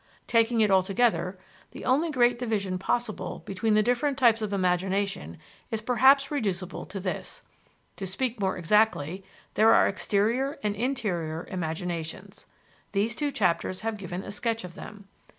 Taking it altogether, the only great division possible between the different types of imagination is perhaps reducible to this: To speak more exactly, there are exterior and interior imaginations. These two chapters have given a sketch of them.